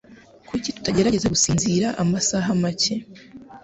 Kuki tutagerageza gusinzira amasaha make.